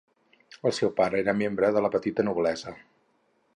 El seu pare era membre de la petita noblesa.